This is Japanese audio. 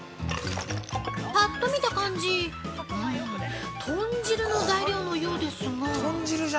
ぱっと見た感じ、豚汁の材料のようですが。